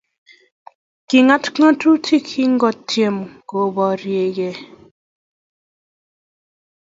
kirat ng'otutie yekingotyem koboryekei